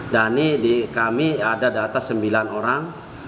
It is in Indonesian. dhani di kami ada data sembilan orang